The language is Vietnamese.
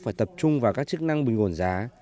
phải tập trung vào các chức năng bình ổn giá